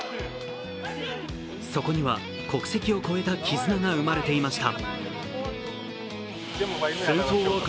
そこには国籍を越えた絆が生まれていました。